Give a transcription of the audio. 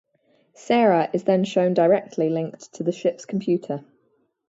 Sera is then shown directly linked to the ships computer.